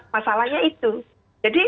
masalahnya itu jadi